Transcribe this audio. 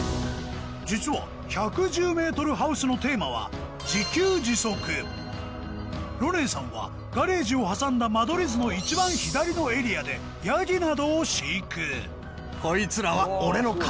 実は１１０ｍハウスのテーマは自給自足ロネンさんはガレージを挟んだ間取り図の一番左のエリアでヤギなどを飼育こいつらは。